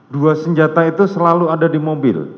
dua senjata itu selalu ada di mobil